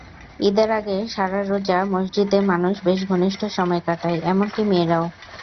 ঈদের আগে সারা রোজা মসজিদে মানুষ বেশ ঘনিষ্ঠ সময় কাটায়, এমনকি মেয়েরাও।